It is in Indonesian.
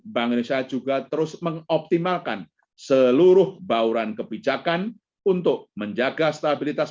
bank indonesia juga terus mengoptimalkan seluruh bauran kebijakan untuk menjaga stabilitas